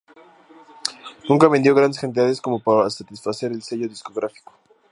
Nunca vendió grandes cantidades como para satisfacer al sello discográfico.